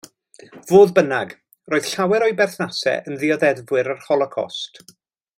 Fodd bynnag, roedd llawer o'i berthnasau yn ddioddefwyr yr Holocost.